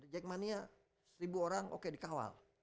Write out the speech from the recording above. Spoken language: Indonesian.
jack mania seribu orang oke dikawal